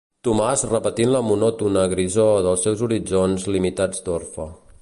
Tomàs repetint la monòtona grisor dels seus horitzons limitats d'orfe.